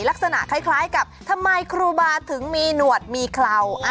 ลักษณะคล้ายกับทำไมครูบาถึงมีหนวดมีเครา